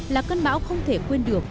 là cơn bão không thể quên được